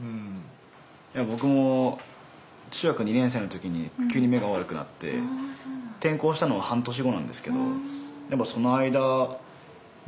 僕も中学２年生の時に急に目が悪くなって転校したのが半年後なんですけどその間授業ではね